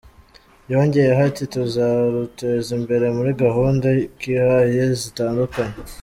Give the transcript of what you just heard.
Yongeyeho ati “Tuzaruteza imbere muri gahunda kihaye zitandukanye.